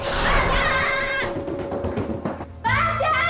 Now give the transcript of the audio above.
ばあちゃーん！